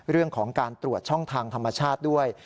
เรื่องของการตรวจช่องทางธรรมชาติด้วย